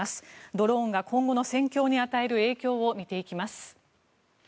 ドローンが今後の戦況に与える影響を見ていきます。